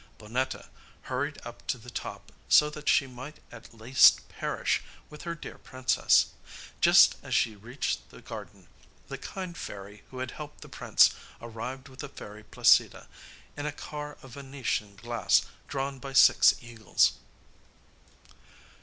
Bonnetta hurried up to the top so that she might at least perish with her dear princess. Just as she reached the garden, the kind fairy who had helped the prince arrived with the fairy Placida, in a car of Venetian glass drawn by six eagles.